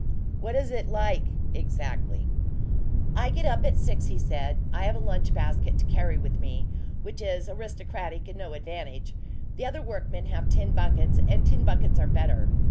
"What is it like exactly?" "I get up at six," he said. "I have a lunch basket to carry with me, which is aristocratic and no advantage. The other workmen have tin buckets, and tin buckets are better.